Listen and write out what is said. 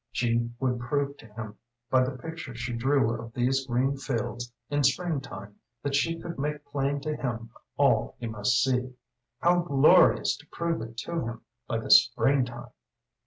She would prove to him by the picture she drew of these green fields in spring time that she could make plain to him all he must see. How glorious to prove it to him by the spring time!